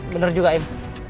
bener juga im